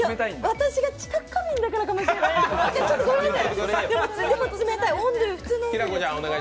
私が知覚過敏だからかもしれない、ごめんなさい。